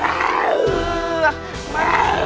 anda akan lebih lagi